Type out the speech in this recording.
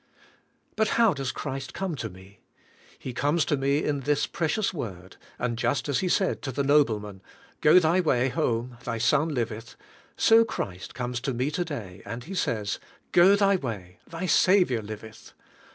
But how does Christ come to me? He comes to me in this precious Word; and just as 152 TRIUMPH OF FAITH He said to the nobleman, "Go thy way home; thy son liveth," so Christ comes tometo daj^ and He says, "Go thy way; thy Saviour livet])."